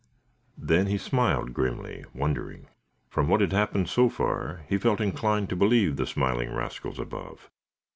Then he smiled grimly, wondering. From what had happened so far he felt inclined to believe the smiling rascals above.